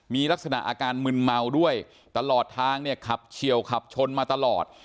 มีลักษณะอาการมึนเมาด้วยตลอดทางเนี่ยขับเฉียวขับชนมาตลอด